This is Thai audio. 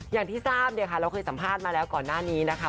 อย่างที่ทราบเนี่ยค่ะเราเคยสัมภาษณ์มาแล้วก่อนหน้านี้นะคะ